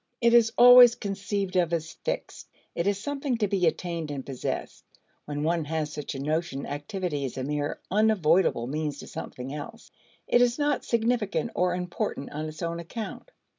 It is always conceived of as fixed; it is something to be attained and possessed. When one has such a notion, activity is a mere unavoidable means to something else; it is not significant or important on its own account.